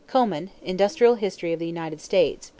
= Coman, Industrial History of the United States, pp.